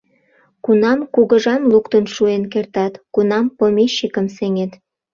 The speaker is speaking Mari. Кунам кугыжам луктын шуэн кертат, кунам помещикым сеҥет?